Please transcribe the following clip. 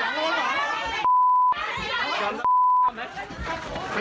อย่าอย่าทำ